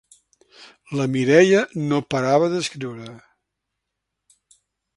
La Mireia no parava d'escriure.